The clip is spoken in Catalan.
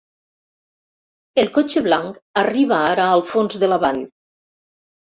El cotxe blanc arriba ara al fons de la vall.